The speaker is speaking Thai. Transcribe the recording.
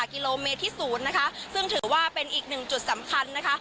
กิโลเมตรที่๐นะคะซึ่งถือว่าเป็นอีกหนึ่งจุดสำคัญนะคะ